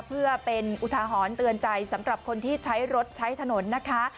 เพื่อเป็นอุทหรณ์เตือนใจสำหรับคนที่ใช้รถใช้ถนนนะคะ